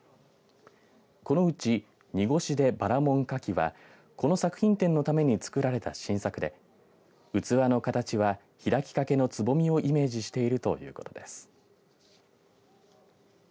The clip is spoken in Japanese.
このうち濁手薔薇文花器はこの作品展のために作られた新作で器の形は開きかけのつぼみをイメージしているということです。